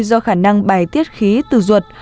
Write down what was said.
do khả năng bài tiết khí từ ruột